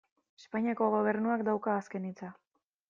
Espainiako Gobernuak dauka azken hitza.